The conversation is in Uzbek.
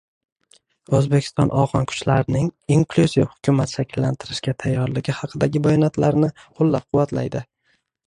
O‘zbekiston afg‘on kuchlarining inklyuziv hukumat shakllantirishga tayyorligi haqidagi bayonotlarini qo‘llab-quvvatlaydi